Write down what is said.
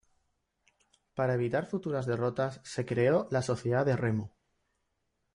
Para evitar futuras derrotas se creó la Sociedad de Remo.